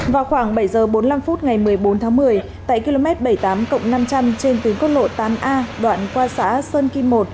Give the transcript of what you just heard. vào khoảng bảy h bốn mươi năm phút ngày một mươi bốn tháng một mươi tại km bảy mươi tám năm trăm linh trên tuyến quốc lộ tám a đoạn qua xã sơn kim một